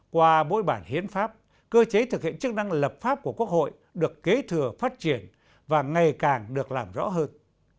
qua bối bản hiến pháp cơ chế thực hiện chức năng lập pháp của quốc hội được kế thừa phát triển và ngày càng được làm rõ hơn